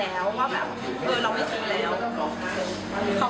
เราก็เห็นว่าราคามันถูก